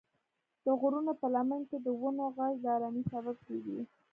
د غرونو په لمن کې د ونو غږ د ارامۍ سبب کېږي.